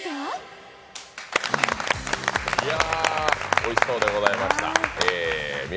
おいしそうでございました。